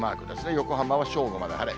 横浜は正午まで晴れ。